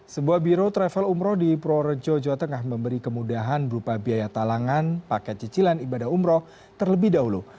sebuah biro travel umroh di purworejo jawa tengah memberi kemudahan berupa biaya talangan paket cicilan ibadah umroh terlebih dahulu